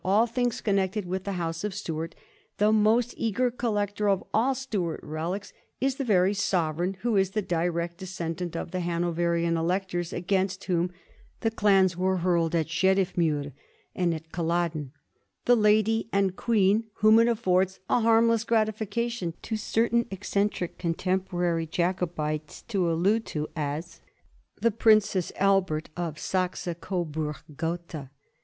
all things connected with the House of Stuart, the most eager collector of all Stuart relics, is the very sovereign who is the direct descendant of the Hanoverian electors against whom the clans were hurled at Sheriffmuir and at Culloden, the lady and queen whom it affords a harmless gratification to certain eccentric contemporary Jacobites to allude to as "the Princess Albert of Saxe Coburg Gotha."